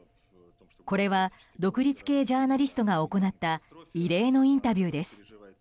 これは独立系ジャーナリストが行った異例のインタビューです。